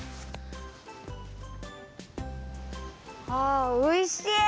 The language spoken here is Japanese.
あおいしい。